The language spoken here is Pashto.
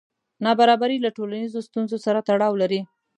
نابرابري له ټولنیزو ستونزو سره تړاو لري.